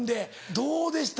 どうでした？